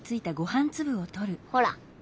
ほら。